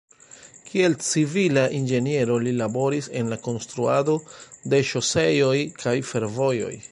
Kiel civila inĝeniero li laboris en la konstruado de ŝoseoj kaj fervojoj.